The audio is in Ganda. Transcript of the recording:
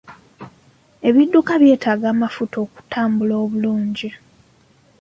Ebidduka byetaaga amafuta okutambula obulungi.